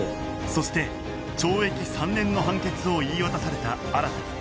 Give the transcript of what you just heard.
そして懲役３年の判決を言い渡された新